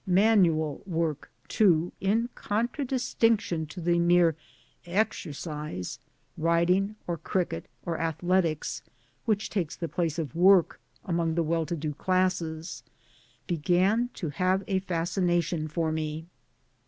Manual work, too, in contradistinction to the mere * exercise ' (riding or cricket or athletics) which takes the place of work among the well to do classes, began to have a fascination for me.